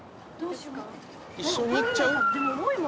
一緒に行っちゃう？